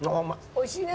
おいしいね。